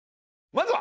まずは。